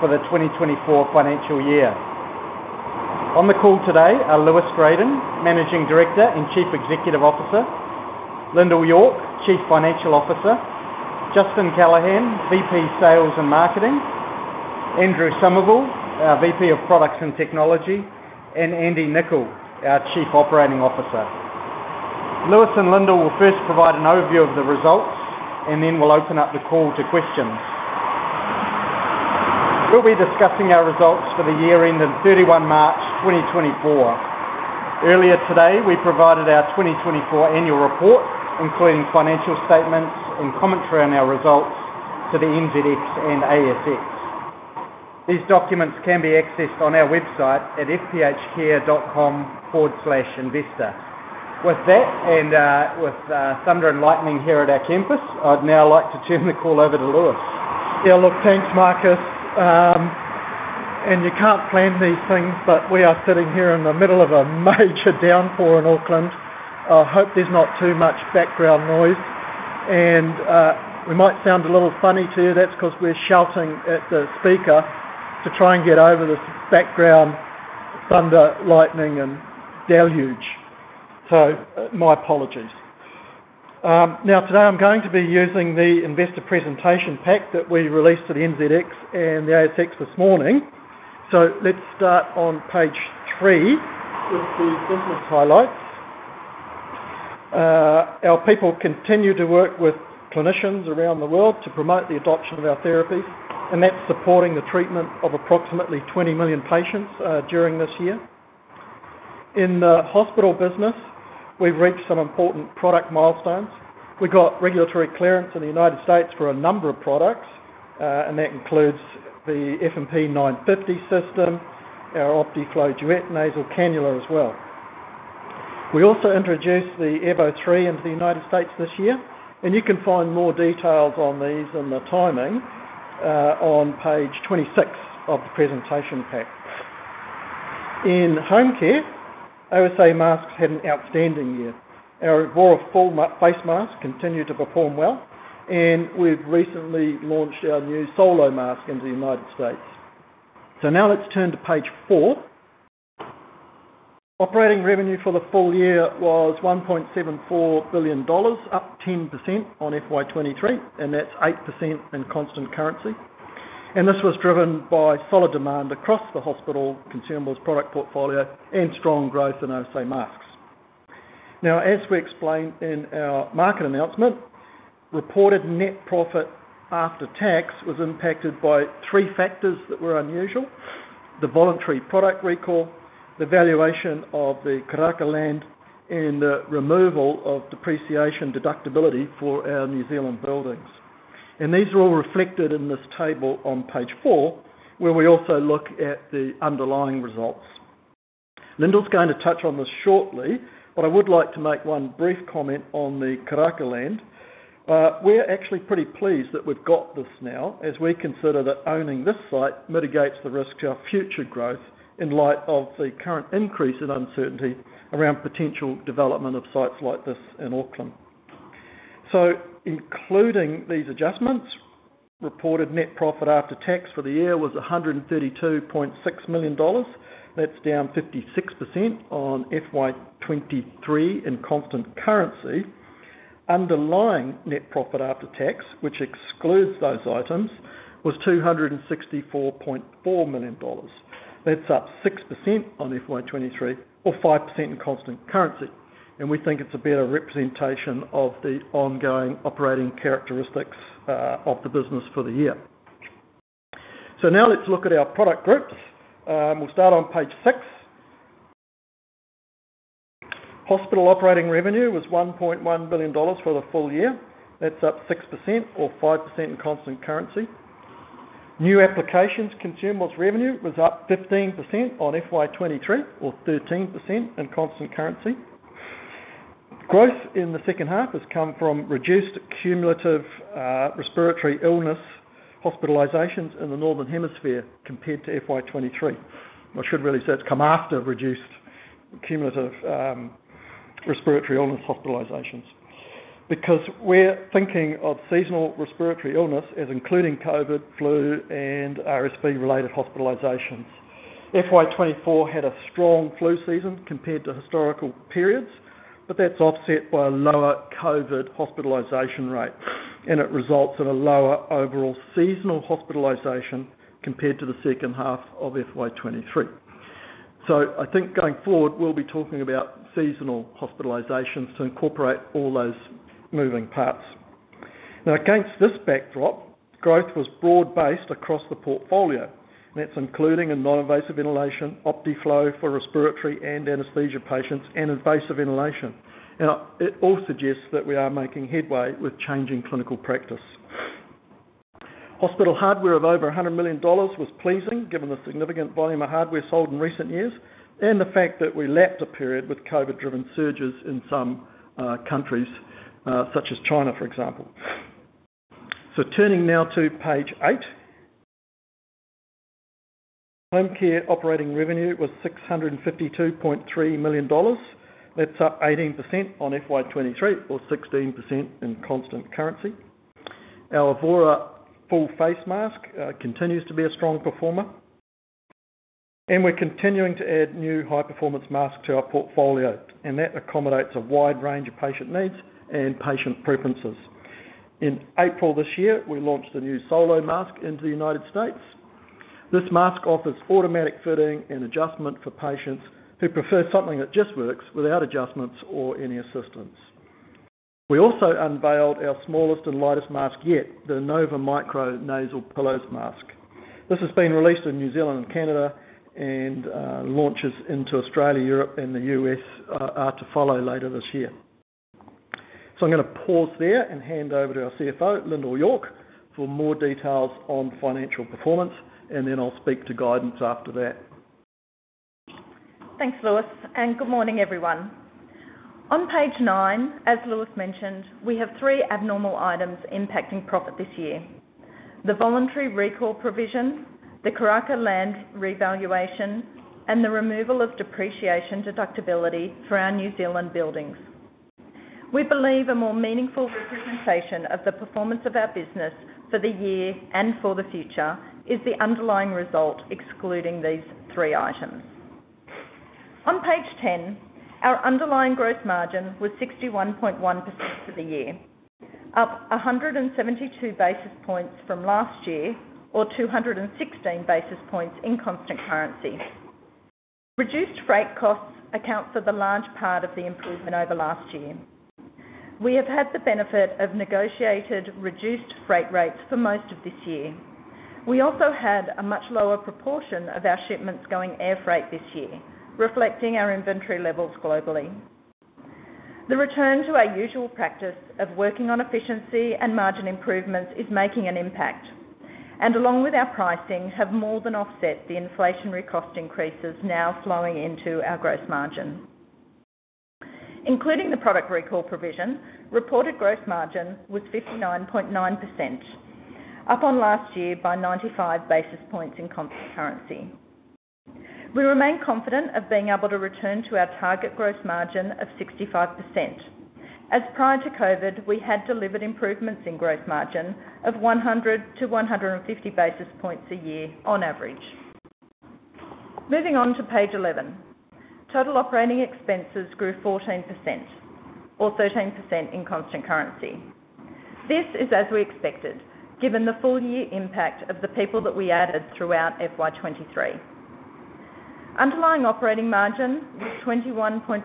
For the 2024 financial year. On the call today are Lewis Gradon, Managing Director and Chief Executive Officer, Lyndal York, Chief Financial Officer, Justin Callahan, VP Sales and Marketing, Andrew Somervell, our VP of Products and Technology, and Andy Niccol, our Chief Operating Officer. Lewis and Lyndal will first provide an overview of the results, and then we'll open up the call to questions. We'll be discussing our results for the year ending 31 March 2024. Earlier today we provided our 2024 annual report, including financial statements and commentary on our results to the NZX and ASX. These documents can be accessed on our website at fphcare.com/investor. With that and with thunder and lightning here at our campus, I'd now like to turn the call over to Lewis. Yeah, look, thanks, Marcus. You can't plan these things, but we are sitting here in the middle of a major downpour in Auckland. I hope there's not too much background noise. We might sound a little funny to you; that's because we're shouting at the speaker to try and get over this background thunder, lightning, and deluge. My apologies. Now, today I'm going to be using the investor presentation pack that we released to the NZX and the ASX this morning. Let's start on page 3 with the business highlights. Our people continue to work with clinicians around the world to promote the adoption of our therapies, and that's supporting the treatment of approximately 20 million patients during this year. In the hospital business, we've reached some important product milestones. We got regulatory clearance in the United States for a number of products, and that includes the F&P 950 system, our Optiflow Duet nasal cannula as well. We also introduced the Airvo 3 into the United States this year, and you can find more details on these and the timing on page 26 of the presentation pack. In home care, OSA masks had an outstanding year. Our Evora full face mask continued to perform well, and we've recently launched our new Solo mask into the United States. So now let's turn to page 4. Operating revenue for the full year was NZD 1.74 billion, up 10% on FY 2023, and that's 8% in constant currency. This was driven by solid demand across the hospital consumables product portfolio and strong growth in OSA masks. Now, as we explained in our market announcement, reported net profit after tax was impacted by three factors that were unusual: the voluntary product recall, the valuation of the Karaka land, and the removal of depreciation deductibility for our New Zealand buildings. These are all reflected in this table on page 4, where we also look at the underlying results. Lyndal's going to touch on this shortly, but I would like to make one brief comment on the Karaka land. We're actually pretty pleased that we've got this now as we consider that owning this site mitigates the risk to our future growth in light of the current increase in uncertainty around potential development of sites like this in Auckland. Including these adjustments, reported net profit after tax for the year was 132.6 million dollars. That's down 56% on FY 2023 in constant currency. Underlying net profit after tax, which excludes those items, was 264.4 million dollars. That's up 6% on FY 2023 or 5% in constant currency. We think it's a better representation of the ongoing operating characteristics of the business for the year. Now let's look at our product groups. We'll start on page 6. Hospital operating revenue was 1.1 billion dollars for the full year. That's up 6% or 5% in constant currency. New applications, consumables revenue, was up 15% on FY 2023 or 13% in constant currency. Growth in the second half has come from reduced cumulative respiratory illness hospitalizations in the northern hemisphere compared to FY 2023. I should really say it's come after reduced cumulative respiratory illness hospitalizations because we're thinking of seasonal respiratory illness as including COVID, flu, and RSV-related hospitalizations. FY 2024 had a strong flu season compared to historical periods, but that's offset by a lower COVID hospitalization rate, and it results in a lower overall seasonal hospitalization compared to the second half of FY 2023. So I think going forward, we'll be talking about seasonal hospitalizations to incorporate all those moving parts. Now, against this backdrop, growth was broad-based across the portfolio. That's including a non-invasive inhalation, Optiflow for respiratory and anesthesia patients, and invasive inhalation. And it all suggests that we are making headway with changing clinical practice. Hospital hardware of over 100 million dollars was pleasing given the significant volume of hardware sold in recent years and the fact that we lapped a period with COVID-driven surges in some countries, such as China, for example. So turning now to page 8. Home care operating revenue was 652.3 million dollars. That's up 18% on FY 2023 or 16% in constant currency. Our Evora full face mask continues to be a strong performer, and we're continuing to add new high-performance masks to our portfolio, and that accommodates a wide range of patient needs and patient preferences. In April this year, we launched a new Solo mask into the United States. This mask offers automatic fitting and adjustment for patients who prefer something that just works without adjustments or any assistance. We also unveiled our smallest and lightest mask yet, the Nova Micro Nasal Pillows Mask. This has been released in New Zealand and Canada and launches into Australia, Europe, and the U.S. to follow later this year. So I'm going to pause there and hand over to our CFO, Lyndal York, for more details on financial performance, and then I'll speak to guidance after that. Thanks, Lewis, and good morning, everyone. On page 9, as Lewis mentioned, we have three abnormal items impacting profit this year: the voluntary recall provision, the Karaka land revaluation, and the removal of depreciation deductibility for our New Zealand buildings. We believe a more meaningful representation of the performance of our business for the year and for the future is the underlying result excluding these three items. On page 10, our underlying gross margin was 61.1% for the year, up 172 basis points from last year or 216 basis points in constant currency. Reduced freight costs account for the large part of the improvement over last year. We have had the benefit of negotiated reduced freight rates for most of this year. We also had a much lower proportion of our shipments going air freight this year, reflecting our inventory levels globally. The return to our usual practice of working on efficiency and margin improvements is making an impact, and along with our pricing have more than offset the inflationary cost increases now flowing into our gross margin. Including the product recall provision, reported gross margin was 59.9%, up on last year by 95 basis points in constant currency. We remain confident of being able to return to our target gross margin of 65%, as prior to COVID, we had delivered improvements in gross margin of 100-150 basis points a year on average. Moving on to page 11, total operating expenses grew 14% or 13% in constant currency. This is as we expected given the full-year impact of the people that we added throughout FY 2023. Underlying operating margin was 21.4%,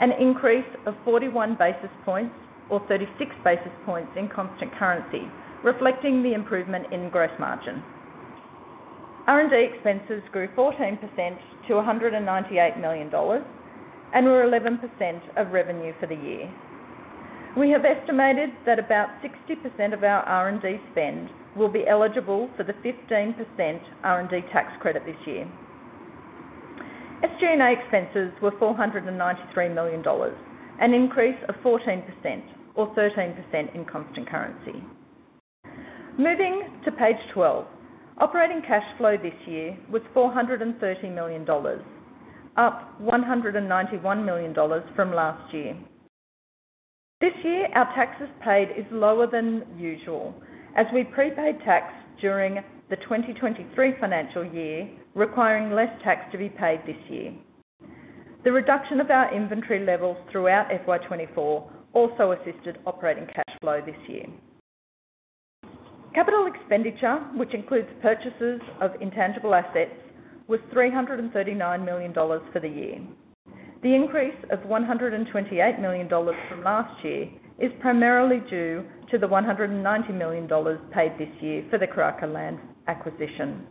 an increase of 41 basis points or 36 basis points in constant currency, reflecting the improvement in gross margin. R&D expenses grew 14% to 198 million dollars and were 11% of revenue for the year. We have estimated that about 60% of our R&D spend will be eligible for the 15% R&D tax credit this year. SG&A expenses were 493 million dollars, an increase of 14% or 13% in constant currency. Moving to page 12, operating cash flow this year was 430 million dollars, up 191 million dollars from last year. This year, our taxes paid is lower than usual as we prepaid tax during the 2023 financial year, requiring less tax to be paid this year. The reduction of our inventory levels throughout FY 2024 also assisted operating cash flow this year. Capital expenditure, which includes purchases of intangible assets, was 339 million dollars for the year. The increase of 128 million dollars from last year is primarily due to the 190 million dollars paid this year for the Karaka land acquisition.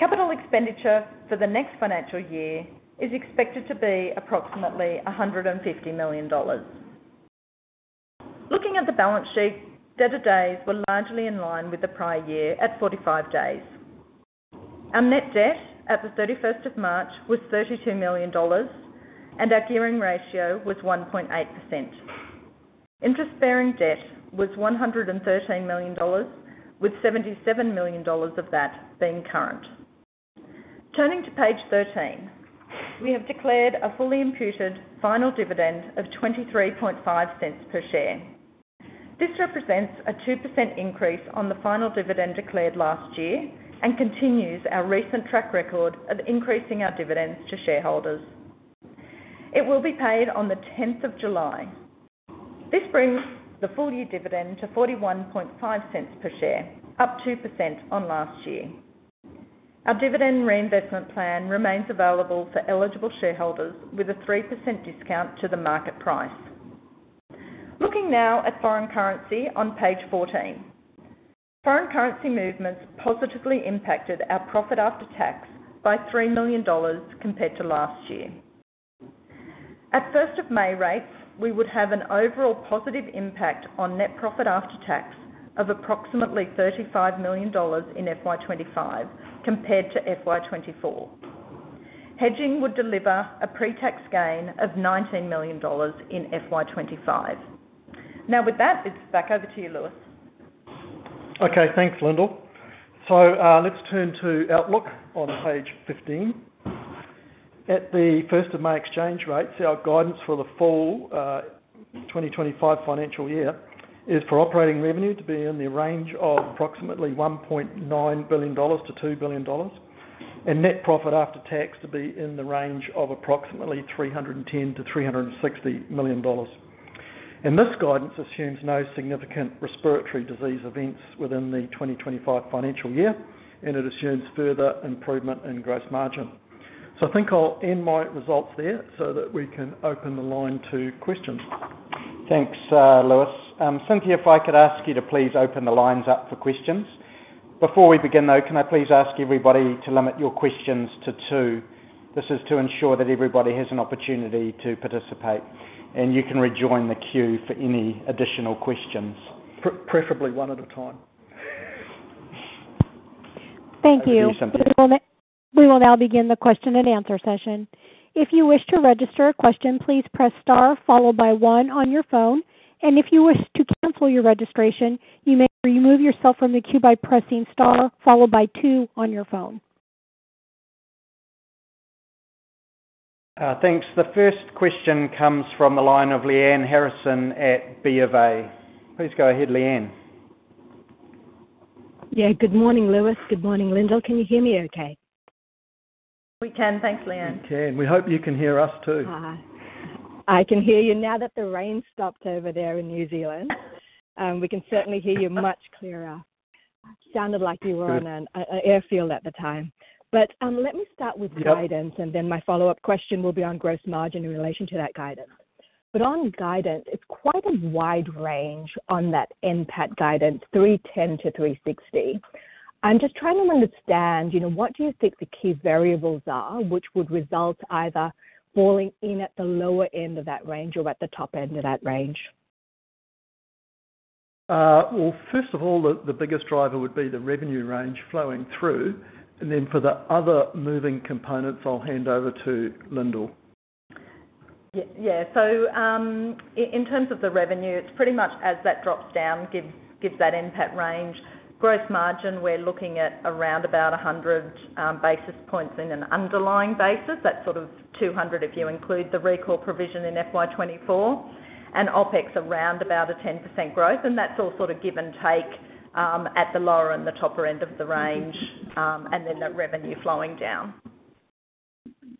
Capital expenditure for the next financial year is expected to be approximately 150 million dollars. Looking at the balance sheet, debtor days were largely in line with the prior year at 45 days. Our net debt at the 31st of March was 32 million dollars, and our gearing ratio was 1.8%. Interest-bearing debt was 113 million dollars, with 77 million dollars of that being current. Turning to page 13, we have declared a fully imputed final dividend of 0.235 per share. This represents a 2% increase on the final dividend declared last year and continues our recent track record of increasing our dividends to shareholders. It will be paid on the 10th of July. This brings the full-year dividend to 0.415 per share, up 2% on last year. Our dividend reinvestment plan remains available for eligible shareholders with a 3% discount to the market price. Looking now at foreign currency on page 14, foreign currency movements positively impacted our profit after tax by 3 million dollars compared to last year. At 1st of May rates, we would have an overall positive impact on net profit after tax of approximately 35 million dollars in FY 2025 compared to FY 2024. Hedging would deliver a pre-tax gain of 19 million dollars in FY 2025. Now, with that, it's back over to you, Lewis. Okay. Thanks, Lyndal. So let's turn to Outlook on page 15. At the 1st of May exchange rates, our guidance for the full 2025 financial year is for operating revenue to be in the range of approximately 1.9 billion-2 billion dollars, and net profit after tax to be in the range of approximately 310 million-360 million dollars. And this guidance assumes no significant respiratory disease events within the 2025 financial year, and it assumes further improvement in gross margin. So I think I'll end my results there so that we can open the line to questions. Thanks, Lewis. Cynthia, if I could ask you to please open the lines up for questions. Before we begin, though, can I please ask everybody to limit your questions to two? This is to ensure that everybody has an opportunity to participate, and you can rejoin the queue for any additional questions. Preferably one at a time. Thank you. Thank you, Cynthia. We will now begin the question-and-answer session. If you wish to register a question, please press star followed by one on your phone, and if you wish to cancel your registration, you may remove yourself from the queue by pressing star followed by two on your phone. Thanks. The first question comes from the line of Lyanne Harrison at BofA. Please go ahead, Lyanne. Yeah. Good morning, Lewis. Good morning, Lyndal. Can you hear me okay? We can. Thanks, Lyanne. We can. We hope you can hear us too. I can hear you now that the rain stopped over there in New Zealand. We can certainly hear you much clearer. Sounded like you were on an airfield at the time. But let me start with guidance, and then my follow-up question will be on gross margin in relation to that guidance. But on guidance, it's quite a wide range on that NPAT guidance, 310-360. I'm just trying to understand what do you think the key variables are which would result either falling in at the lower end of that range or at the top end of that range? Well, first of all, the biggest driver would be the revenue range flowing through. And then for the other moving components, I'll hand over to Lyndal. Yeah. So in terms of the revenue, it's pretty much as that drops down, gives that NPAT range. Gross margin, we're looking at around about 100 basis points in an underlying basis. That's sort of 200 if you include the recall provision in FY 2024, and OpEx around about a 10% growth. And that's all sort of give or take at the lower and the upper end of the range and then that revenue flowing down.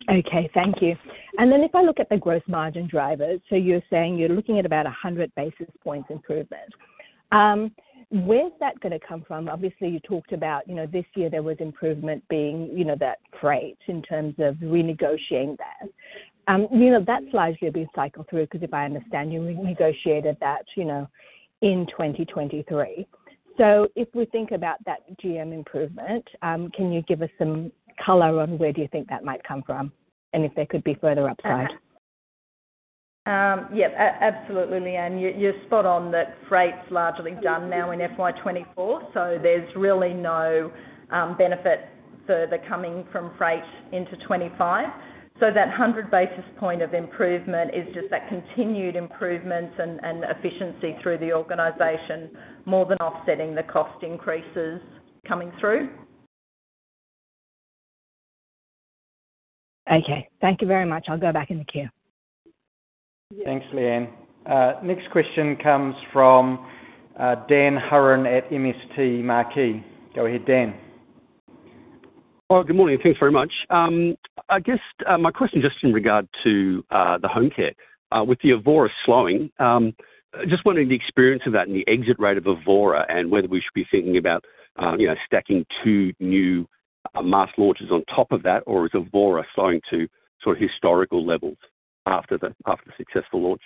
Okay. Thank you. Then if I look at the gross margin drivers, so you're saying you're looking at about 100 basis points improvement. Where's that going to come from? Obviously, you talked about this year there was improvement being that freight in terms of renegotiating that. That's largely a big cycle through because if I understand you, you negotiated that in 2023. So if we think about that GM improvement, can you give us some color on where do you think that might come from and if there could be further upside? Yeah. Absolutely, Lyanne. You're spot on that freight's largely done now in FY 2024, so there's really no benefit further coming from freight into 2025. So that 100 basis point of improvement is just that continued improvements and efficiency through the organization more than offsetting the cost increases coming through. Okay. Thank you very much. I'll go back in the queue. Thanks, Lyanne. Next question comes from Dan Hurren at MST Marquee. Go ahead, Dan. Good morning. Thanks very much. I guess my question just in regard to the home care. With the Evora slowing, just wondering the experience of that and the exit rate of Evora and whether we should be thinking about stacking two new mask launches on top of that, or is Evora slowing to sort of historical levels after the successful launch?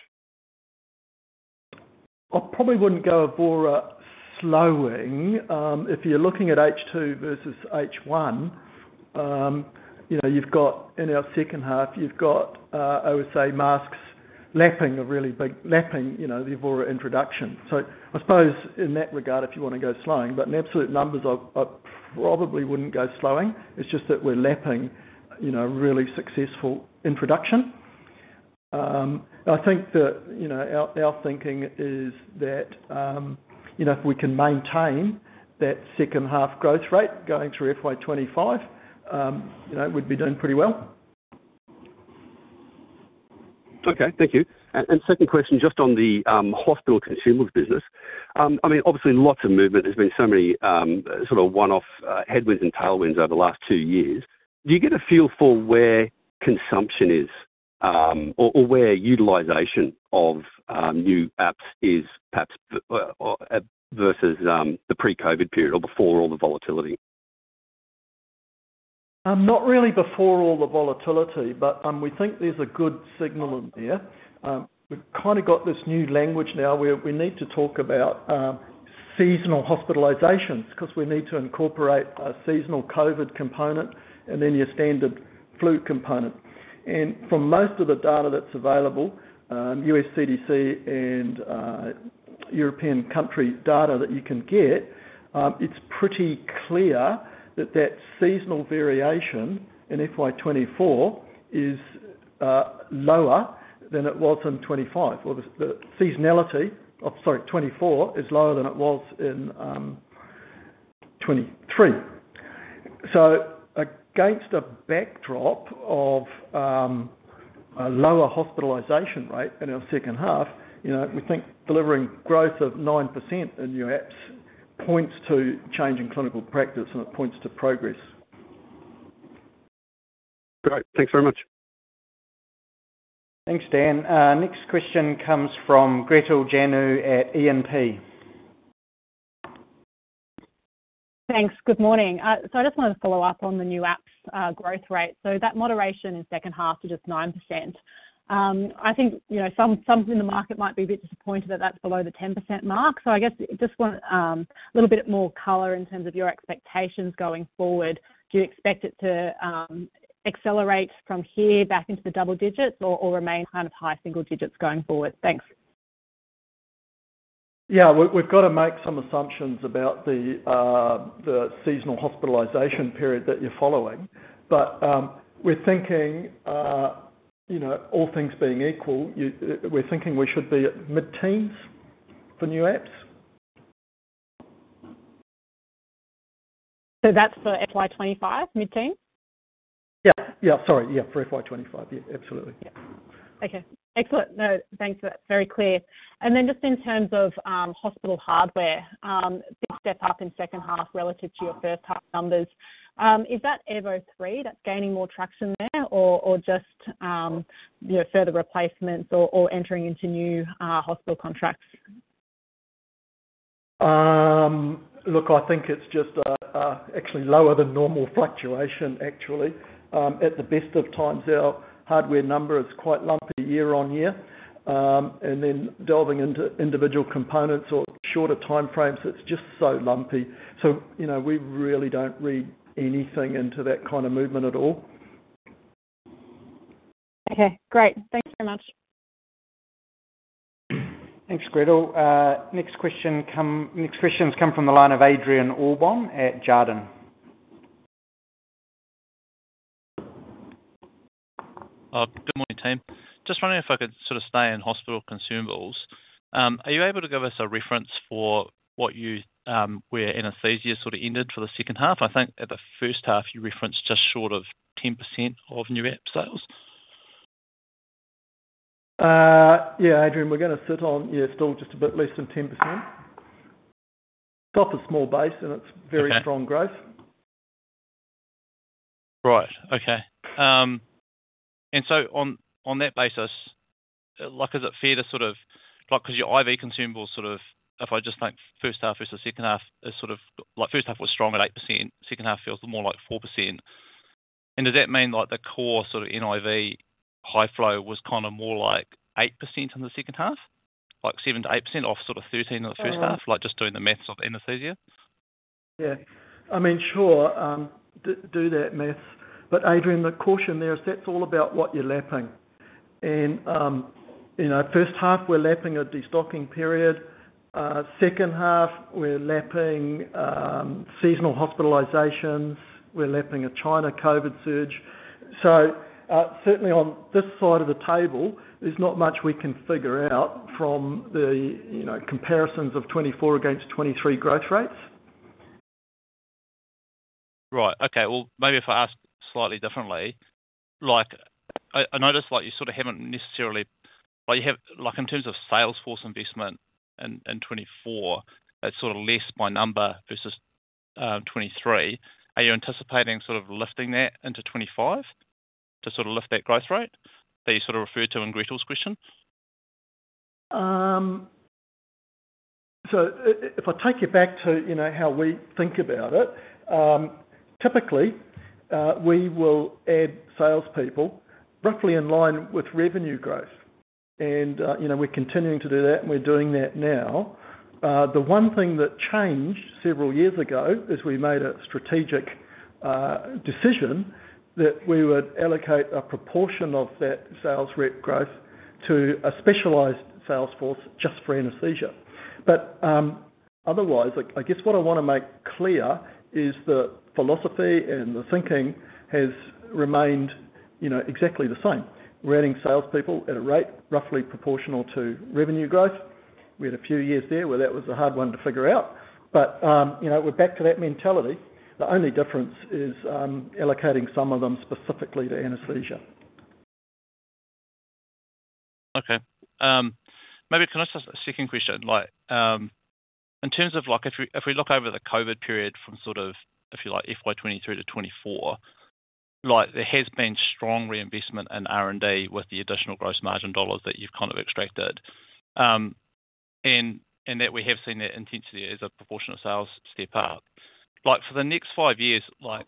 I probably wouldn't go Evora slowing. If you're looking at H2 versus H1, you've got in our second half, you've got, I would say, masks lapping a really big lapping the Evora introduction. So I suppose in that regard, if you want to go slowing, but in absolute numbers, I probably wouldn't go slowing. It's just that we're lapping a really successful introduction. I think that our thinking is that if we can maintain that second-half growth rate going through FY 2025, we'd be doing pretty well. Okay. Thank you. And second question, just on the hospital consumables business. I mean, obviously, lots of movement. There's been so many sort of one-off headwinds and tailwinds over the last two years. Do you get a feel for where consumption is or where utilization of new apps is perhaps versus the pre-COVID period or before all the volatility? Not really before all the volatility, but we think there's a good signal in there. We've kind of got this new language now where we need to talk about seasonal hospitalizations because we need to incorporate a seasonal COVID component and then your standard flu component. And from most of the data that's available, U.S. CDC and European country data that you can get, it's pretty clear that that seasonal variation in FY 2024 is lower than it was in 2025. The seasonality of, sorry, 2024 is lower than it was in 2023. So against a backdrop of a lower hospitalization rate in our second half, we think delivering growth of 9% in new apps points to change in clinical practice, and it points to progress. Great. Thanks very much. Thanks, Dan. Next question comes from Gretel Janu at E&P. Thanks. Good morning. So I just wanted to follow up on the new apps growth rate. So that moderation in second half to just 9%. I think some in the market might be a bit disappointed that that's below the 10% mark. So I guess just want a little bit more color in terms of your expectations going forward. Do you expect it to accelerate from here back into the double digits or remain kind of high single digits going forward? Thanks. Yeah. We've got to make some assumptions about the seasonal hospitalization period that you're following. But we're thinking, all things being equal, we're thinking we should be at mid-teens for new apps. That's for FY 2025, mid-teens? Yeah. Yeah. Sorry. Yeah. For FY 2025. Yeah. Absolutely. Yeah. Okay. Excellent. No. Thanks. That's very clear. And then just in terms of hospital hardware, big step up in second half relative to your first half numbers. Is that Airvo 3 that's gaining more traction there or just further replacements or entering into new hospital contracts? Look, I think it's just actually lower than normal fluctuation, actually. At the best of times out, hardware number is quite lumpy year on year. And then delving into individual components or shorter timeframes, it's just so lumpy. So we really don't read anything into that kind of movement at all. Okay. Great. Thanks very much. Thanks, Gretel. Next questions come from the line of Adrian Allbon at Jarden. Good morning, team. Just wondering if I could sort of stay in hospital consumables. Are you able to give us a reference for where anesthesia sort of ended for the second half? I think at the first half, you referenced just short of 10% of new app sales. Yeah, Adrian. We're going to sit at, yeah, still just a bit less than 10%. From a small base, and it's very strong growth. Right. Okay. And so on that basis, is it fair to sort of because your IV consumables sort of if I just think first half versus second half is sort of first half was strong at 8%, second half feels more like 4%. And does that mean the core sort of NIV high flow was kind of more like 8% in the second half, like 7%-8% off sort of 13 in the first half, just doing the math of anesthesia? Yeah. I mean, sure. Do that math. But Adrian, the caution there is that's all about what you're lapping. And first half, we're lapping a destocking period. Second half, we're lapping seasonal hospitalizations. We're lapping a China COVID surge. So certainly, on this side of the table, there's not much we can figure out from the comparisons of 2024 against 2023 growth rates. Right. Okay. Well, maybe if I ask slightly differently, I notice you sort of haven't necessarily in terms of sales force investment in 2024, it's sort of less by number versus 2023. Are you anticipating sort of lifting that into 2025 to sort of lift that growth rate that you sort of referred to in Gretel's question? So if I take you back to how we think about it, typically, we will add salespeople roughly in line with revenue growth. And we're continuing to do that, and we're doing that now. The one thing that changed several years ago is we made a strategic decision that we would allocate a proportion of that sales rep growth to a specialized sales force just for anesthesia. But otherwise, I guess what I want to make clear is the philosophy and the thinking has remained exactly the same. We're adding salespeople at a rate roughly proportional to revenue growth. We had a few years there where that was a hard one to figure out. But we're back to that mentality. The only difference is allocating some of them specifically to anesthesia. Okay. Maybe can I ask a second question? In terms of if we look over the COVID period from sort of, if you like, FY 2023 to FY 2024, there has been strong reinvestment in R&D with the additional gross margin dollars that you've kind of extracted and that we have seen that intensity as a proportion of sales step out. For the next five years, are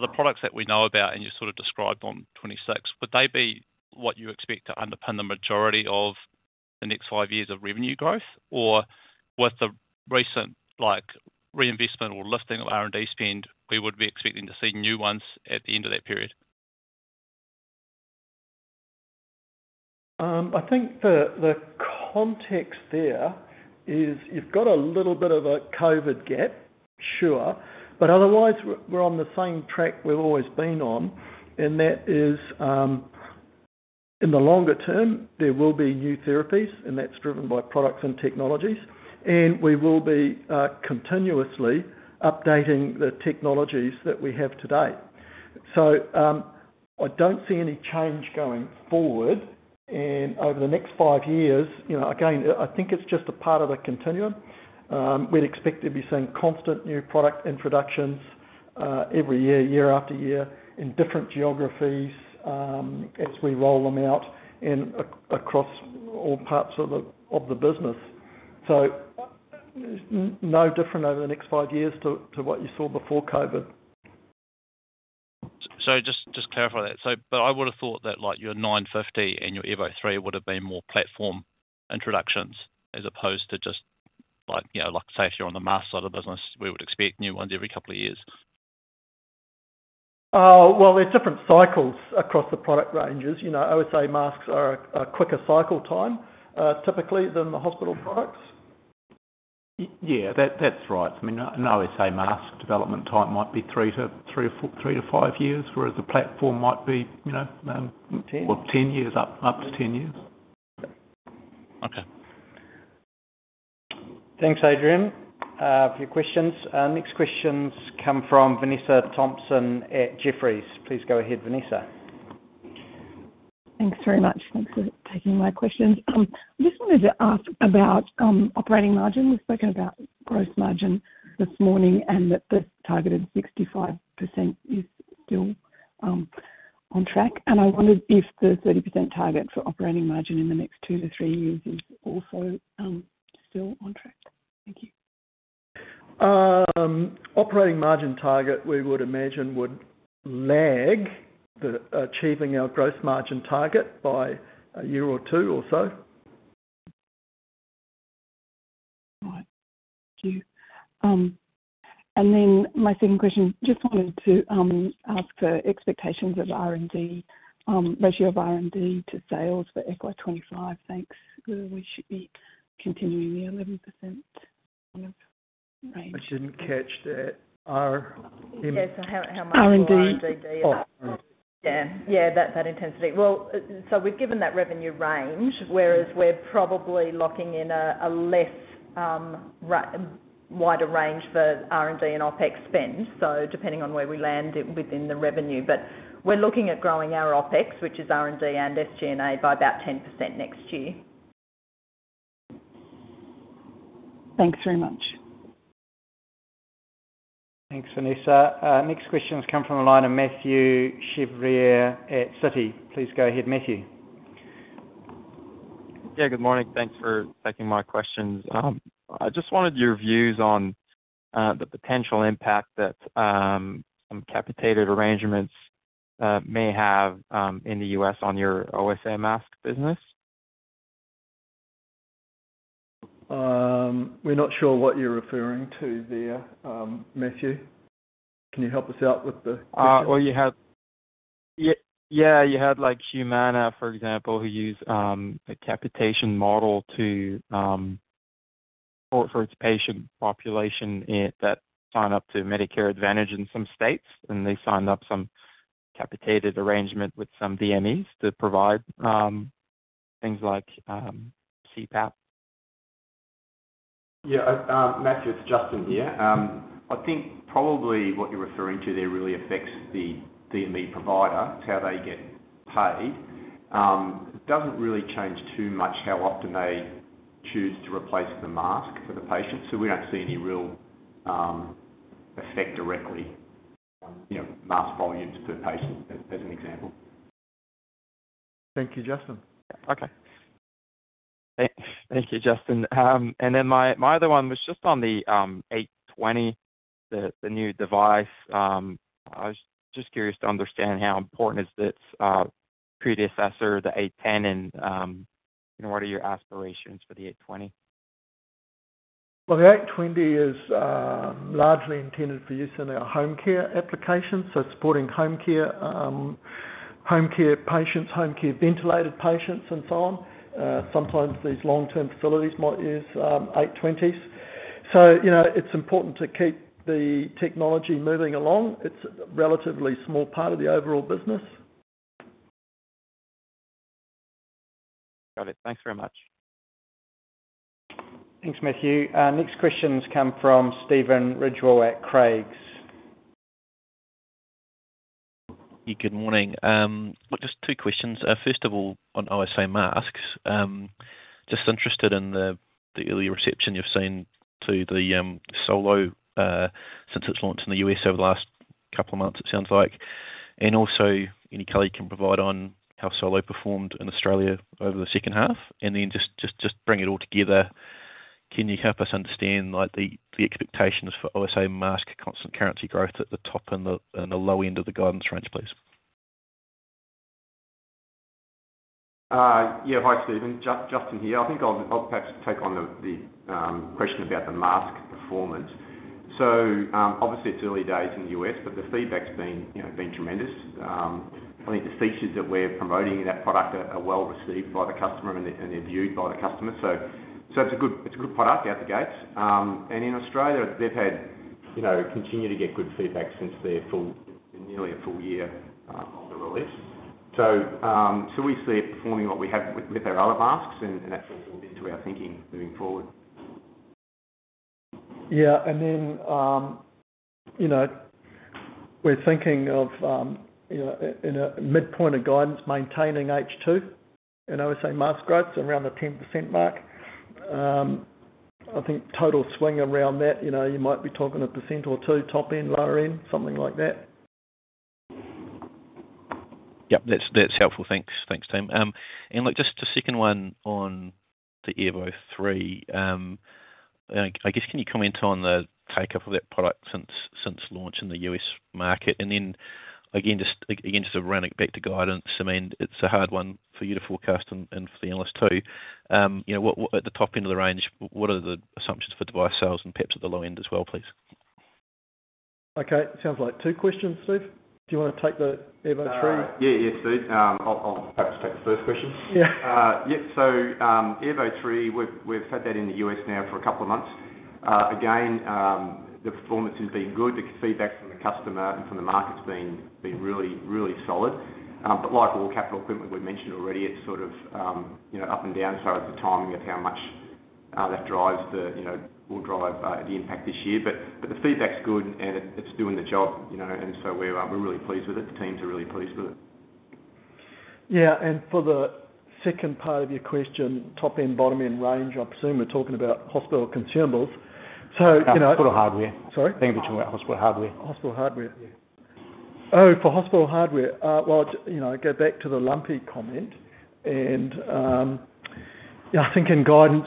the products that we know about and you sort of described on 2026, would they be what you expect to underpin the majority of the next five years of revenue growth? Or with the recent reinvestment or lifting of R&D spend, we would be expecting to see new ones at the end of that period? I think the context there is you've got a little bit of a COVID gap, sure. But otherwise, we're on the same track we've always been on. And that is, in the longer term, there will be new therapies, and that's driven by products and technologies. And we will be continuously updating the technologies that we have today. So I don't see any change going forward. And over the next five years, again, I think it's just a part of the continuum. We'd expect to be seeing constant new product introductions every year, year after year, in different geographies as we roll them out across all parts of the business. So no different over the next five years to what you saw before COVID. So just to clarify that, but I would have thought that your 950 and your Airvo 3 would have been more platform introductions as opposed to just, say, if you're on the mask side of the business, we would expect new ones every couple of years. Well, there are different cycles across the product ranges. OSA masks are a quicker cycle time, typically, than the hospital products. Yeah. That's right. I mean, an OSA mask development time might be 3-5 years, whereas a platform might be up to 10 years. 10. Okay. Thanks, Adrian, for your questions. Next questions come from Vanessa Thomson at Jefferies. Please go ahead, Vanessa. Thanks very much. Thanks for taking my questions. I just wanted to ask about operating margin. We've spoken about gross margin this morning and that the targeted 65% is still on track. And I wondered if the 30% target for operating margin in the next two to three years is also still on track. Thank you. Operating margin target, we would imagine, would lag achieving our gross margin target by a year or two or so. All right. Thank you. And then my second question, just wanted to ask for expectations of R&D, ratio of R&D to sales for FY 2025? Thanks. We should be continuing the 11% kind of range. I didn't catch that. R&D. Yes. How much more R&D? Oh, R&D. Yeah. Yeah. That intensity. Well, so we've given that revenue range, whereas we're probably locking in a less wider range for R&D and OpEx spend, so depending on where we land within the revenue. But we're looking at growing our OpEx, which is R&D and SG&A, by about 10% next year. Thanks very much. Thanks, Vanessa. Next questions come from the line of Matthew Chevrier at Citi. Please go ahead, Matthew. Yeah. Good morning. Thanks for taking my questions. I just wanted your views on the potential impact that some capitated arrangements may have in the U.S. on your OSA mask business. We're not sure what you're referring to there, Matthew. Can you help us out with the question? Well, yeah. You had Humana, for example, who used a capitation model for its patient population that signed up to Medicare Advantage in some states. And they signed up some capitated arrangement with some DMEs to provide things like CPAP. Yeah. Matthew, it's Justin here. I think probably what you're referring to there really affects the DME provider. It's how they get paid. It doesn't really change too much how often they choose to replace the mask for the patient. So we don't see any real effect directly on mask volumes per patient, as an example. Thank you, Justin. Okay. Thank you, Justin. And then my other one was just on the 820, the new device. I was just curious to understand how important is this predecessor, the 810, and what are your aspirations for the 820? Well, the 820 is largely intended for use in our home care applications, so supporting home care patients, home care ventilated patients, and so on. Sometimes these long-term facilities might use 820s. So it's important to keep the technology moving along. It's a relatively small part of the overall business. Got it. Thanks very much. Thanks, Matthew. Next questions come from Stephen Ridgewell at Craigs. Yeah. Good morning. Look, just two questions. First of all, on OSA masks, just interested in the early reception you've seen to the Solo since it's launched in the U.S. over the last couple of months, it sounds like, and also any color you can provide on how Solo performed in Australia over the second half. And then just to bring it all together, can you help us understand the expectations for OSA mask constant currency growth at the top and the low end of the guidance range, please? Yeah. Hi, Stephen. Justin here. I think I'll perhaps take on the question about the mask performance. So obviously, it's early days in the US, but the feedback's been tremendous. I think the features that we're promoting in that product are well received by the customer and they're viewed by the customer. So it's a good product out the gates. And in Australia, they've continued to get good feedback since nearly a full year of the release. So we see it performing what we have with our other masks, and that's all built into our thinking moving forward. Yeah. And then we're thinking of, in a midpoint of guidance, maintaining H2 in OSA mask growth, so around the 10% mark. I think total swing around that, you might be talking 1% or 2% top-end, lower-end, something like that. Yep. That's helpful. Thanks. Thanks, team. And look, just a second one on the Airvo 3. I guess, can you comment on the uptake of that product since launch in the U.S. market? And then again, just to run it back to guidance, I mean, it's a hard one for you to forecast and for the analysts too. At the top end of the range, what are the assumptions for device sales and perhaps at the low end as well, please? Okay. Sounds like two questions, Steve. Do you want to take the Airvo 3? Yeah. Yeah, Steve. I'll perhaps take the first question. Yep. So Airvo 3, we've had that in the U.S. now for a couple of months. Again, the performance has been good. The feedback from the customer and from the market's been really, really solid. But like all capital equipment, we mentioned already, it's sort of up and down as far as the timing of how much that will drive the impact this year. But the feedback's good, and it's doing the job. And so we're really pleased with it. The teams are really pleased with it. Yeah. And for the second part of your question, top-end, bottom-end range, I presume we're talking about hospital consumables. So it's. I thought of hardware. Sorry? I think you're talking about hospital hardware. Hospital hardware. Oh, for hospital hardware, well, I go back to the lumpy comment. I think in guidance,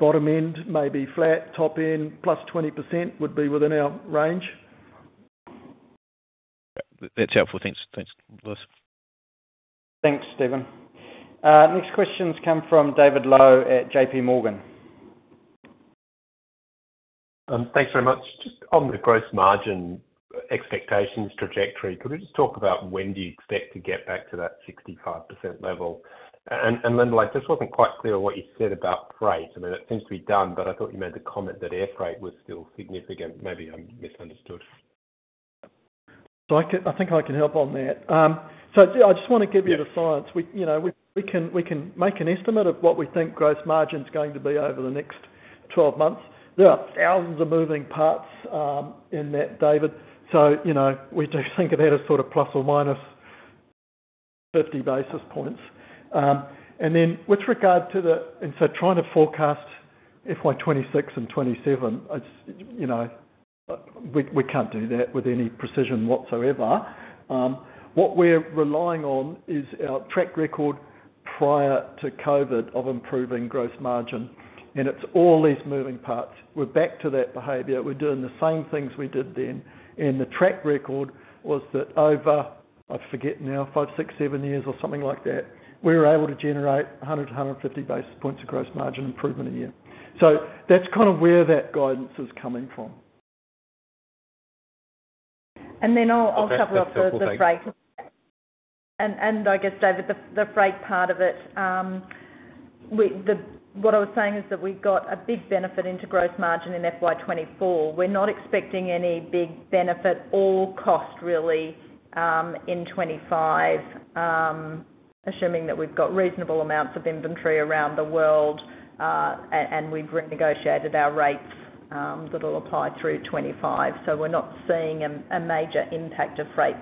bottom-end may be flat, top-end plus 20% would be within our range. That's helpful. Thanks, Lewis. Thanks, Stephen. Next questions come from David Low at JPMorgan. Thanks very much. Just on the gross margin expectations trajectory, could we just talk about when do you expect to get back to that 65% level? And Lyndal York, this wasn't quite clear what you said about freight. I mean, it seems to be done, but I thought you made the comment that air freight was still significant. Maybe I misunderstood. I think I can help on that. I just want to give you the science. We can make an estimate of what we think gross margin's going to be over the next 12 months. There are thousands of moving parts in that, David. We do think of that as sort of plus or minus 50 basis points. Then with regard to the and so trying to forecast FY2026 and 2027, we can't do that with any precision whatsoever. What we're relying on is our track record prior to COVID of improving gross margin. And it's all these moving parts. We're back to that behavior. We're doing the same things we did then. And the track record was that over, I forget now, five, six, seven years or something like that, we were able to generate 100-150 basis points of gross margin improvement a year. That's kind of where that guidance is coming from. Then I'll cover up the freight. I guess, David, the freight part of it, what I was saying is that we've got a big benefit into gross margin in FY 2024. We're not expecting any big benefit all cost, really, in 2025, assuming that we've got reasonable amounts of inventory around the world and we've renegotiated our rates that'll apply through 2025. So we're not seeing a major impact of freight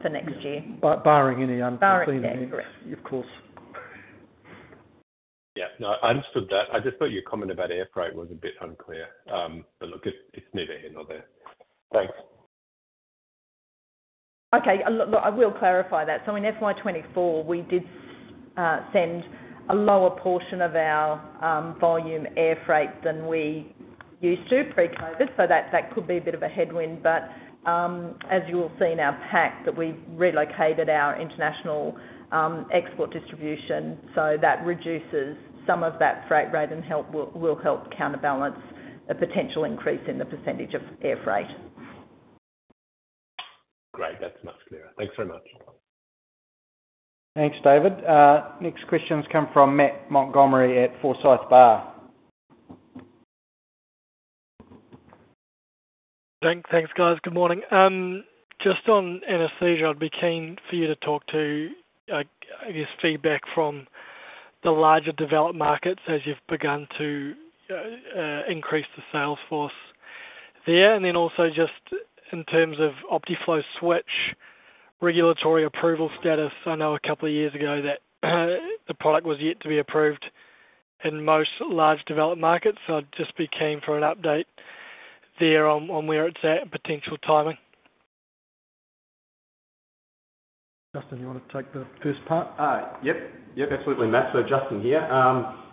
for next year. Barring any unforeseen events, of course. Yeah. No, I understood that. I just thought your comment about air freight was a bit unclear. But look, it's neither here nor there. Thanks. Okay. Look, I will clarify that. So in FY 2024, we did send a lower portion of our volume air freight than we used to pre-COVID. So that could be a bit of a headwind. But as you will see in our pack, we've relocated our international export distribution. So that reduces some of that freight rate and will help counterbalance a potential increase in the percentage of air freight. Great. That's much clearer. Thanks very much. Thanks, David. Next questions come from Matt Montgomerie at Forsyth Barr. Thanks, guys. Good morning. Just on anesthesia, I'd be keen for you to talk to, I guess, feedback from the larger developed markets as you've begun to increase the sales force there. And then also just in terms of Optiflow Switch regulatory approval status. I know a couple of years ago that the product was yet to be approved in most large developed markets. So I'd just be keen for an update there on where it's at and potential timing. Justin, you want to take the first part? Yep. Yep. Absolutely, Matt. So Justin here.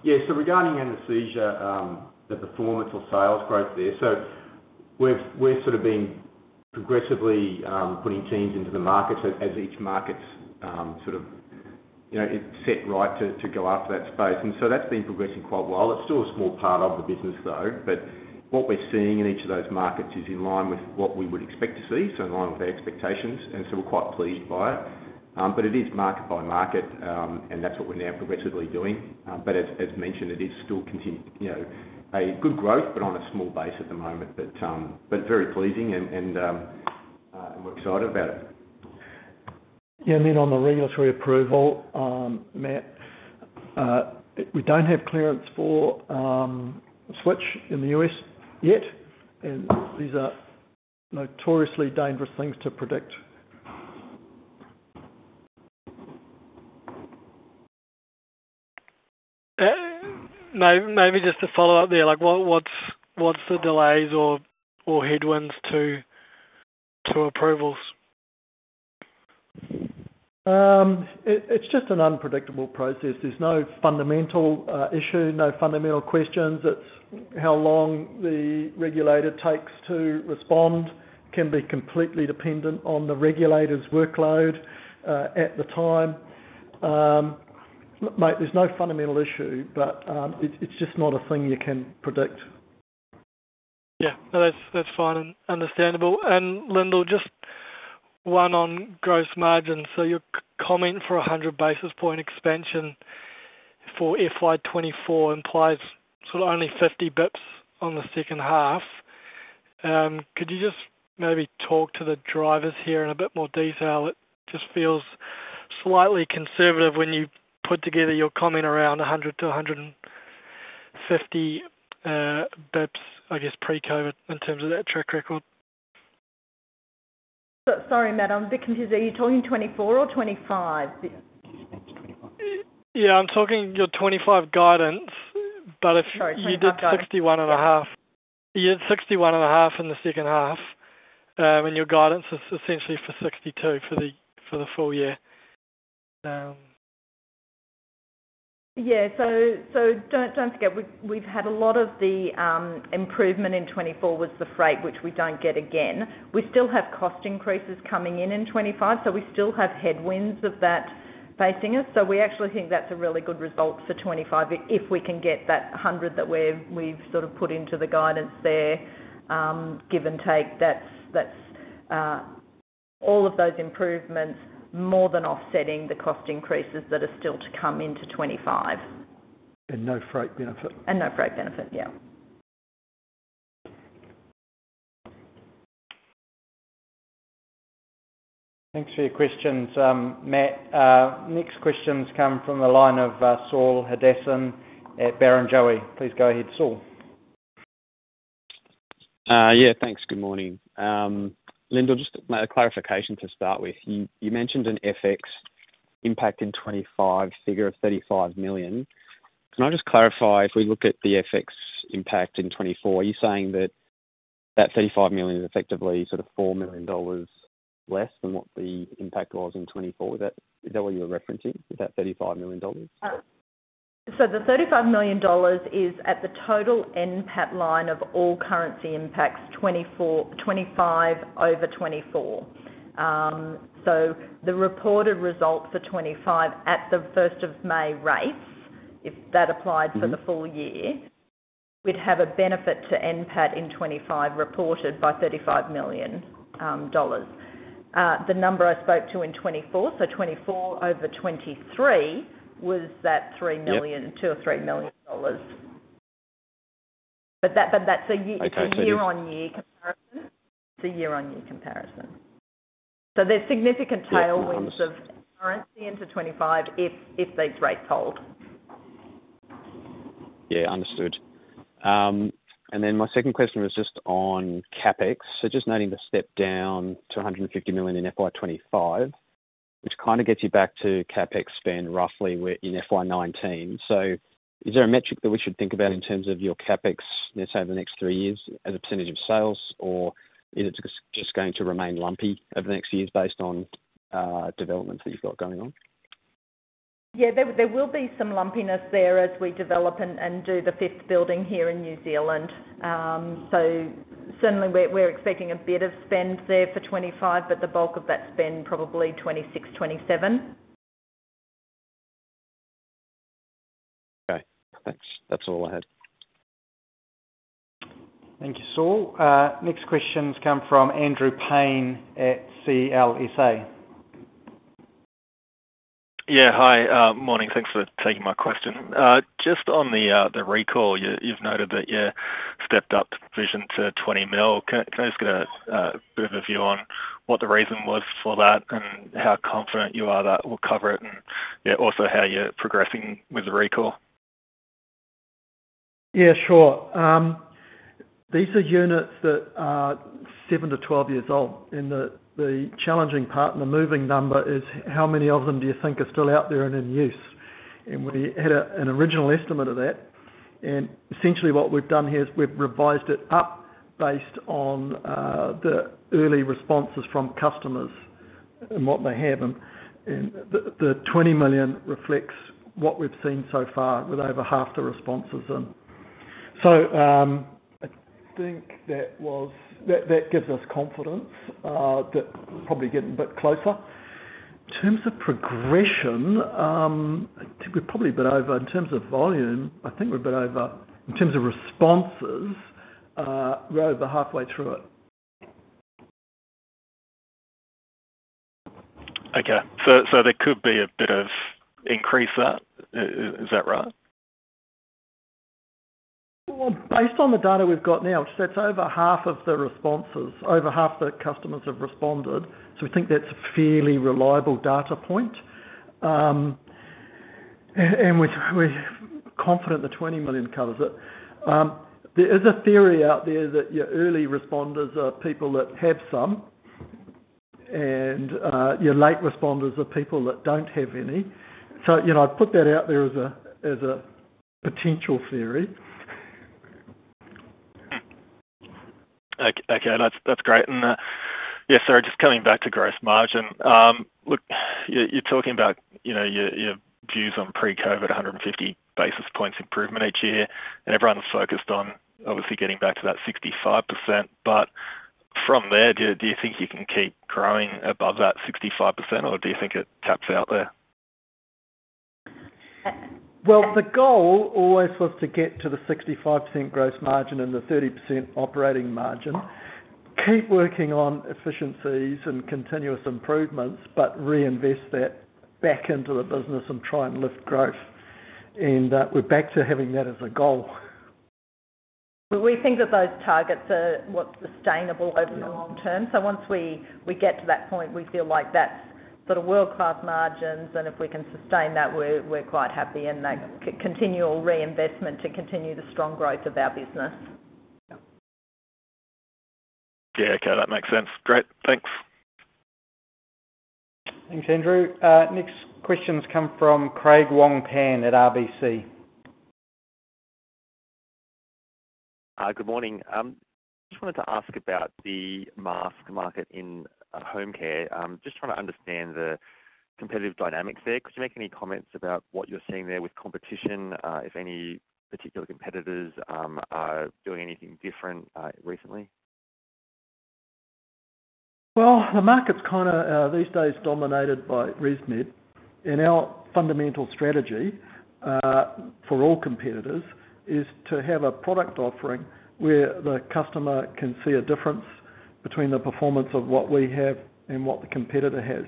Yeah. So regarding anesthesia, the performance or sales growth there, so we're sort of progressively putting teams into the markets as each market's sort of it's set right to go after that space. And so that's been progressing quite well. It's still a small part of the business, though. But what we're seeing in each of those markets is in line with what we would expect to see, so in line with our expectations. And so we're quite pleased by it. But it is market by market, and that's what we're now progressively doing. But as mentioned, it is still a good growth, but on a small base at the moment. But very pleasing, and we're excited about it. Yeah. I mean, on the regulatory approval, Matt, we don't have clearance for Switch in the U.S. yet. And these are notoriously dangerous things to predict. Maybe just to follow up there, what's the delays or headwinds to approvals? It's just an unpredictable process. There's no fundamental issue, no fundamental questions. How long the regulator takes to respond can be completely dependent on the regulator's workload at the time. Mate, there's no fundamental issue, but it's just not a thing you can predict. Yeah. No, that's fine and understandable. And Lyndal, just one on gross margin. So your comment for 100 basis point expansion for FY 2024 implies sort of only 50 bips on the second half. Could you just maybe talk to the drivers here in a bit more detail? It just feels slightly conservative when you put together your comment around 100-150 bips, I guess, pre-COVID in terms of that track record. Sorry, Matt. I'm a bit confused. Are you talking 2024 or 2025? Yeah. I'm talking your 2025 guidance. But if you did 61.5. Sorry. Sorry. You did 61.5 in the second half, and your guidance is essentially for 62 for the full year. Yeah. So don't forget, we've had a lot of the improvement in 2024 was the freight, which we don't get again. We still have cost increases coming in in 2025, so we still have headwinds of that facing us. So we actually think that's a really good result for 2025 if we can get that 100 that we've sort of put into the guidance there, give and take. All of those improvements more than offsetting the cost increases that are still to come into 2025. No freight benefit. No freight benefit. Yeah. Thanks for your questions, Matt. Next questions come from the line of Saul Hadassin at Barrenjoey. Please go ahead, Saul. Yeah. Thanks. Good morning. Lyndal, just a clarification to start with. You mentioned an FX impact in 2025 figure of $35 million. Can I just clarify? If we look at the FX impact in 2024, are you saying that that $35 million is effectively sort of $4 million less than what the impact was in 2024? Is that what you were referencing with that $35 million? The 35 million dollars is at the total NPAT line of all currency impacts 2025 over 2024. The reported result for 2025 at the 1st of May rates, if that applied for the full year, would have a benefit to NPAT in 2025 reported by 35 million dollars. The number I spoke to in 2024, so 2024 over 2023, was that 2 or 3 million dollars. But that's a year-on-year comparison. It's a year-on-year comparison. So there's significant tailwinds of currency into 2025 if these rates hold. Yeah. Understood. And then my second question was just on CapEx. So just noting the step down to 150 million in FY 2025, which kind of gets you back to CapEx spend roughly in FY19. So is there a metric that we should think about in terms of your CapEx, let's say, over the next three years as a percentage of sales, or is it just going to remain lumpy over the next years based on developments that you've got going on? Yeah. There will be some lumpiness there as we develop and do the fifth building here in New Zealand. So certainly, we're expecting a bit of spend there for 2025, but the bulk of that spend probably 2026, 2027. Okay. That's all I had. Thank you, Saul. Next questions come from Andrew Paine at CLSA. Yeah. Hi. Morning. Thanks for taking my question. Just on the recall, you've noted that your stepped-up provision to 20 million. Can I just get a bit of a view on what the reason was for that and how confident you are that we'll cover it and, yeah, also how you're progressing with the recall? Yeah. Sure. These are units that are 7-12 years old. The challenging part and the moving number is how many of them do you think are still out there and in use? We had an original estimate of that. Essentially, what we've done here is we've revised it up based on the early responses from customers and what they have. The 20 million reflects what we've seen so far with over half the responses in. So I think that gives us confidence that we're probably getting a bit closer. In terms of progression, I think we're probably a bit over in terms of volume. I think we're a bit over in terms of responses, we're over halfway through it. Okay. So there could be a bit of increase there. Is that right? Well, based on the data we've got now, which is over half of the responses, over half the customers have responded. So we think that's a fairly reliable data point. And we're confident the 20 million covers it. There is a theory out there that your early responders are people that have some, and your late responders are people that don't have any. So I'd put that out there as a potential theory. Okay. That's great. And yes, sorry, just coming back to gross margin. Look, you're talking about your views on pre-COVID 150 basis points improvement each year, and everyone's focused on, obviously, getting back to that 65%. But from there, do you think you can keep growing above that 65%, or do you think it taps out there? Well, the goal always was to get to the 65% gross margin and the 30% operating margin, keep working on efficiencies and continuous improvements, but reinvest that back into the business and try and lift growth. And we're back to having that as a goal. We think that those targets are what's sustainable over the long term. So once we get to that point, we feel like that's sort of world-class margins. And if we can sustain that, we're quite happy. And that continual reinvestment to continue the strong growth of our business. Yeah. Okay. That makes sense. Great. Thanks. Thanks, Andrew. Next questions come from Craig Wong-Pan at RBC. Good morning. I just wanted to ask about the mask market in home care. Just trying to understand the competitive dynamics there. Could you make any comments about what you're seeing there with competition, if any particular competitors are doing anything different recently? Well, the market's kind of these days dominated by ResMed. Our fundamental strategy for all competitors is to have a product offering where the customer can see a difference between the performance of what we have and what the competitor has.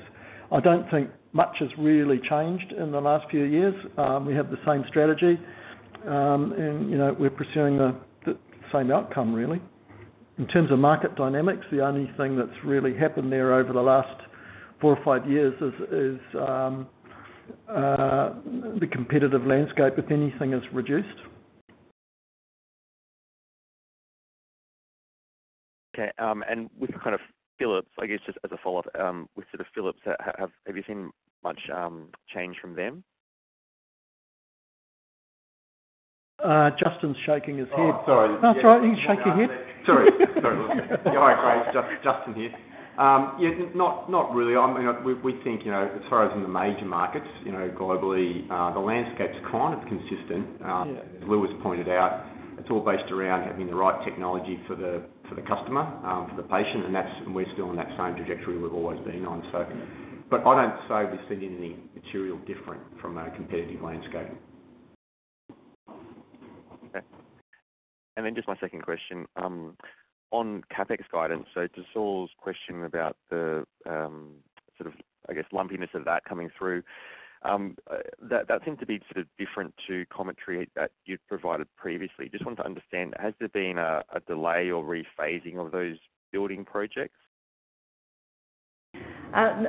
I don't think much has really changed in the last few years. We have the same strategy, and we're pursuing the same outcome, really. In terms of market dynamics, the only thing that's really happened there over the last 4 or 5 years is the competitive landscape. If anything, it's reduced. Okay. And with kind of Philips, I guess just as a follow-up, with sort of Philips, have you seen much change from them? Justin's shaking his head. Oh, sorry. That's all right. You can shake your head. Sorry. Sorry. You're all right, Craig. Justin here. Yeah. Not really. I mean, we think as far as in the major markets globally, the landscape's kind of consistent. As Lewis pointed out, it's all based around having the right technology for the customer, for the patient. And we're still on that same trajectory we've always been on. But I don't say we've seen anything material different from our competitive landscape. Okay. And then just my second question. On CapEx guidance, so to Saul's question about the sort of, I guess, lumpiness of that coming through, that seemed to be sort of different to commentary that you'd provided previously. Just wanted to understand, has there been a delay or rephasing of those building projects?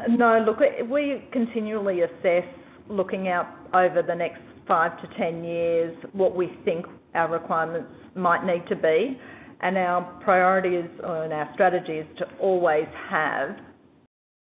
No. Look, we continually assess, looking out over the next 5-10 years, what we think our requirements might need to be. And our priorities and our strategy is to always have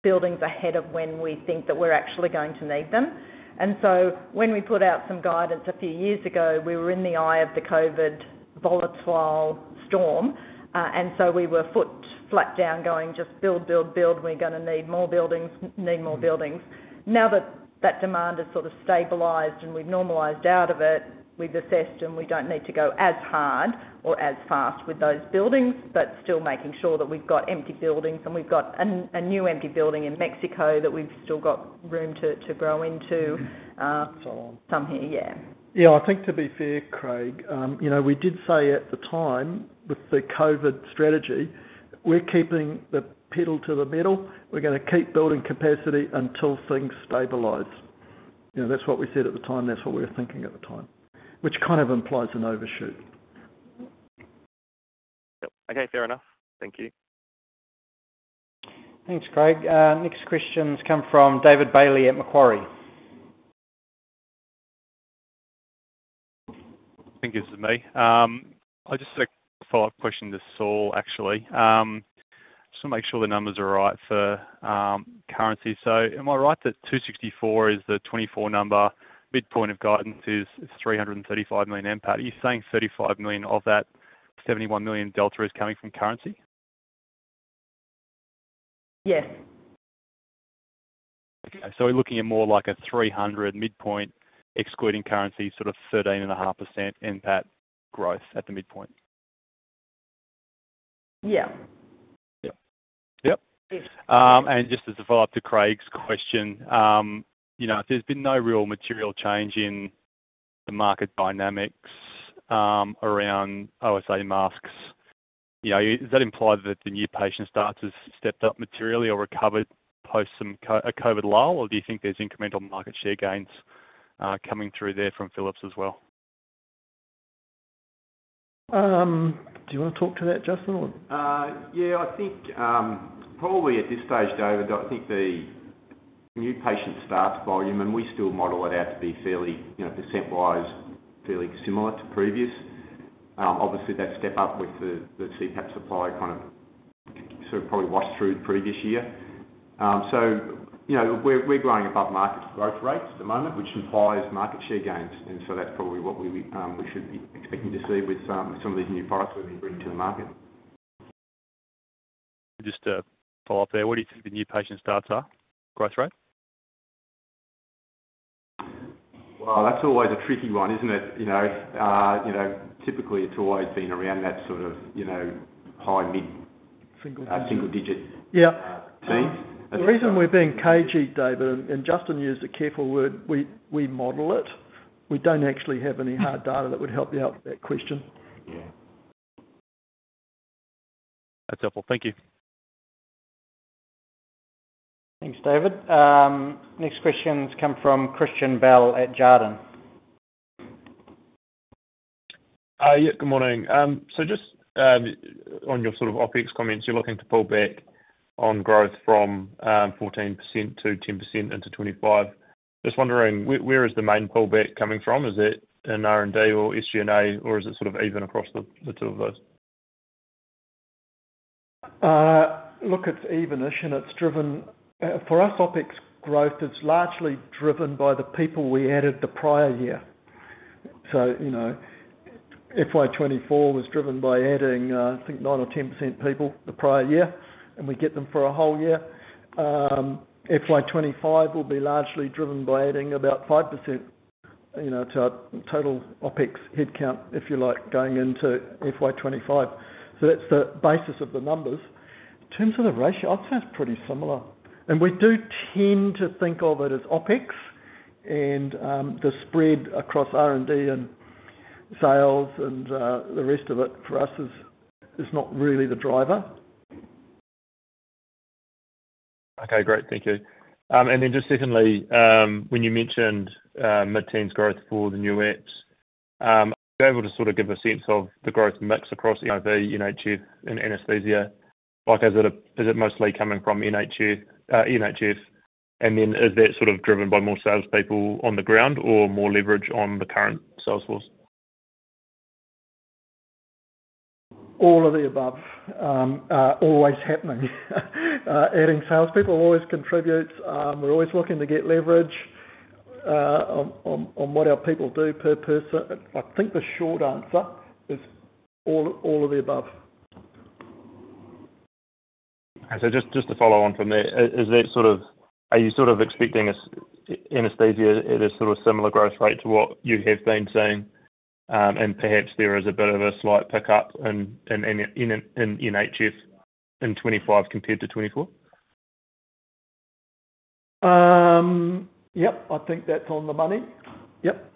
buildings ahead of when we think that we're actually going to need them. And so when we put out some guidance a few years ago, we were in the eye of the COVID volatile storm. And so we were foot flat down going, "Just build, build, build. We're going to need more buildings, need more buildings." Now that that demand has sort of stabilized and we've normalised out of it, we've assessed and we don't need to go as hard or as fast with those buildings, but still making sure that we've got empty buildings. And we've got a new empty building in Mexico that we've still got room to grow into. So long. Somewhere. Yeah. Yeah. I think to be fair, Craig, we did say at the time with the COVID strategy, "We're keeping the pedal to the middle. We're going to keep building capacity until things stabilize." That's what we said at the time. That's what we were thinking at the time, which kind of implies an overshoot. Okay. Fair enough. Thank you. Thanks, Craig. Next questions come from David Bailey at Macquarie. Thank you. This is me. I just had a follow-up question to Saul, actually. Just want to make sure the numbers are right for currency. So am I right that 264 is the 2024 number? Midpoint of guidance is 335 million NPAT. Are you saying 35 million of that 71 million delta is coming from currency? Yes. Okay. So we're looking at more like a 300 midpoint excluding currency, sort of 13.5% NPAT growth at the midpoint? Yeah. Yep. Yep. And just as a follow-up to Craig's question, if there's been no real material change in the market dynamics around, I would say, masks, does that imply that the new patient starts has stepped up materially or recovered post a COVID lull, or do you think there's incremental market share gains coming through there from Philips as well? Do you want to talk to that, Justin, or? Yeah. I think probably at this stage, David, I think the new patient starts volume, and we still model it out to be percent-wise fairly similar to previous. Obviously, that step up with the CPAP supply kind of sort of probably washed through the previous year. So we're growing above market growth rates at the moment, which implies market share gains. And so that's probably what we should be expecting to see with some of these new products that we bring to the market. Just to follow up there, where do you think the new patient starts are growth rate? Well, that's always a tricky one, isn't it? Typically, it's always been around that sort of high-mid. Single-digit. Single-digit teens. Yeah. The reason we're being cagey, David, and Justin used a careful word, we model it. We don't actually have any hard data that would help you out with that question. Yeah. That's helpful. Thank you. Thanks, David. Next questions come from Christian Bell at Jarden. Yeah. Good morning. So just on your sort of OpEx comments, you're looking to pull back on growth from 14%-10% into 2025. Just wondering, where is the main pullback coming from? Is it in R&D or SG&A, or is it sort of even across the two of those? Look, it's even-ish, and it's driven for us. OpEx growth is largely driven by the people we added the prior year. So FY 2024 was driven by adding, I think, 9% or 10% people the prior year, and we get them for a whole year. FY 2025 will be largely driven by adding about 5% to our total OpEx headcount, if you like, going into FY 2025. So that's the basis of the numbers. In terms of the ratio, I'd say it's pretty similar. And we do tend to think of it as OpEx, and the spread across R&D and sales and the rest of it for us is not really the driver. Okay. Great. Thank you. And then just secondly, when you mentioned mid-teens growth for the new apps, are you able to sort of give a sense of the growth mix across NIV, NHF, and anesthesia? Is it mostly coming from NHF? And then is that sort of driven by more salespeople on the ground or more leverage on the current salesforce? All of the above. Always happening. Adding salespeople always contributes. We're always looking to get leverage on what our people do per person. I think the short answer is all of the above. Okay. So just to follow on from there, are you sort of expecting anesthesia at a sort of similar growth rate to what you have been seeing? And perhaps there is a bit of a slight pickup in NHF in 2025 compared to 2024? Yep. I think that's on the money. Yep.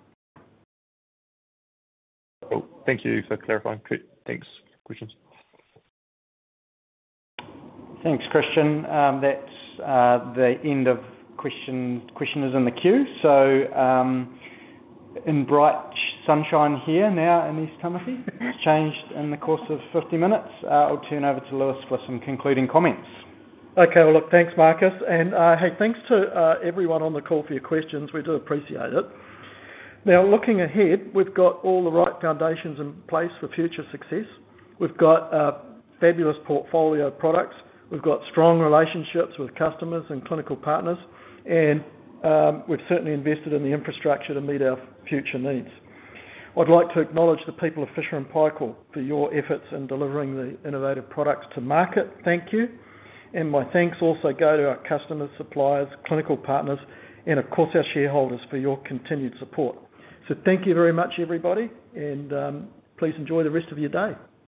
Cool. Thank you for clarifying. Thanks. Questions? Thanks, Christian. That's the end of questioners in the queue. In bright sunshine here now in East Tamaki, it's changed in the course of 50 minutes. I'll turn over to Lewis for some concluding comments. Okay. Well, look, thanks, Marcus. And hey, thanks to everyone on the call for your questions. We do appreciate it. Now, looking ahead, we've got all the right foundations in place for future success. We've got a fabulous portfolio of products. We've got strong relationships with customers and clinical partners. And we've certainly invested in the infrastructure to meet our future needs. I'd like to acknowledge the people of Fisher & Paykel for your efforts in delivering the innovative products to market. Thank you. And my thanks also go to our customers, suppliers, clinical partners, and, of course, our shareholders for your continued support. So thank you very much, everybody. And please enjoy the rest of your day.